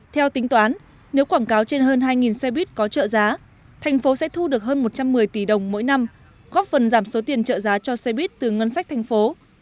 theo tính toán nếu quảng cáo trên hơn hai xe buýt có trợ giá thành phố sẽ thu được hơn một trăm một mươi tỷ đồng mỗi năm góp phần giảm số tiền trợ giá cho xe buýt từ ngân sách thành phố